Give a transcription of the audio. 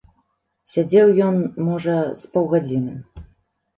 Сядзеў ён, можа, з паўгадзіны.